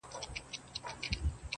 جغرافیه، خټه او نور کیدی شي